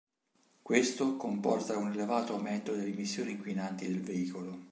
Questo comporta un elevato aumento delle emissioni inquinanti del veicolo.